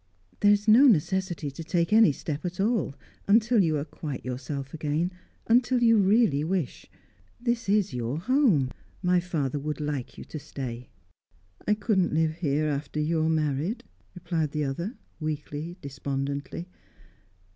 "There is no necessity to take any step at all until you are quite yourself again until you really wish. This is your home; my father would like you to stay." "I couldn't live here after you are married," replied the other, weakly, despondently.